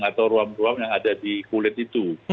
atau ruam ruam yang ada di kulit itu